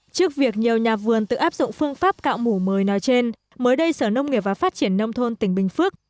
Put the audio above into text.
trước việc nhiều nhà vườn tự áp dụng phương pháp cạo mủ mới nói trên mới đây sở nông nghiệp và phát triển nông thôn tỉnh bình phước